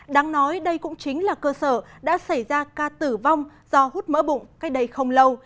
đáng nói đây cũng chính là cơ sở đã xảy ra ca tử vong do hút mỡ bụng cách đây không lâu